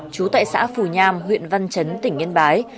trú tại xã phù nham huyện văn chấn tỉnh yên bái